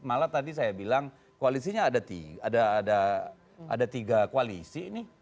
malah tadi saya bilang koalisinya ada tiga koalisi